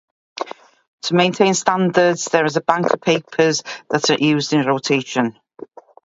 To maintain standards, there is a bank of papers that are used in rotation.